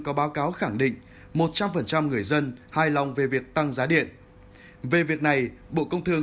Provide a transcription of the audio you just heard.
có báo cáo khẳng định một trăm linh người dân hài lòng về việc tăng giá điện về việc này bộ công thương